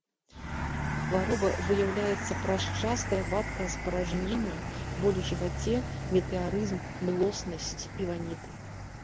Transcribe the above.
Хвароба выяўляецца праз частае вадкае спаражненне, боль у жываце, метэарызм, млоснасць і ваніты.